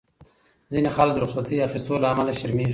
ځینې خلک د رخصتۍ اخیستو له امله شرمېږي.